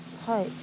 はい。